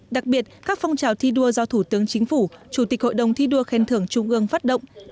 đặc biệt các phong trào thi đua do thủ tướng chính phủ chủ tịch hội đồng thi đua khen thưởng trung ương phát động